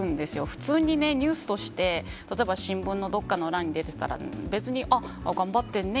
普通にニュースとして新聞のどこかの欄に出ていたら別に頑張ってるね